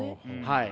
はい。